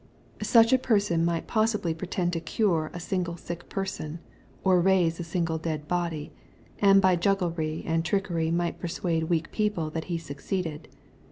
Such a person might possibly pretend to cure a single sick person, or raise a single dead body. — ^and by jugglery and trickery might persuade weak people that he succeeded.